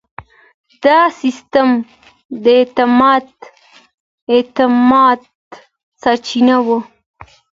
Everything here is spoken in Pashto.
دا سیستم د اعتماد سرچینه وه.